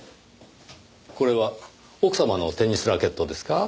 これは奥様のテニスラケットですか？